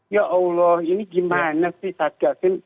ya allah ini gimana sih satgasin